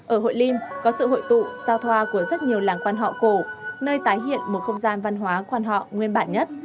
ở hội lim có sự hội tụ giao thoa của rất nhiều làng quan họ cổ nơi tái hiện một không gian văn hóa quan họ nguyên bản nhất